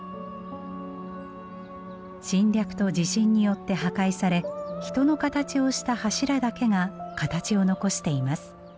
侵略と地震によって破壊され人の形をした柱だけが形を残しています。